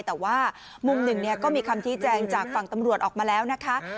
แต่ว่ามุมหนึ่งก็มีคำชี้แจงจากฝั่งตำรวจออกมาแล้วนะคะ